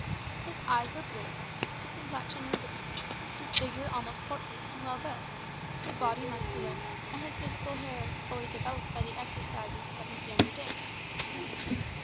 His eyes were blue, his complexion rubicund, his figure almost portly and well built, his body muscular, and his physical powers fully developed by the exercises of his younger days.